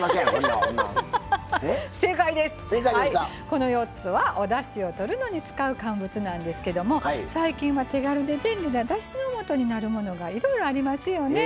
この４つはおだしをとるのに使う乾物なんですけども最近は手軽で便利なだしのもとになるものがいろいろありますよね。